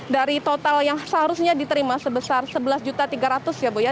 dari total yang seharusnya diterima sebesar rp sebelas tiga ratus ya bu ya